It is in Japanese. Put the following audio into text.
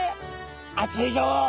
「熱いよ。